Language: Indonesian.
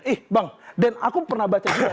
ih bang dan aku pernah baca juga